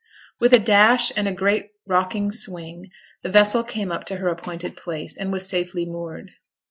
With a dash and a great rocking swing the vessel came up to her appointed place, and was safely moored.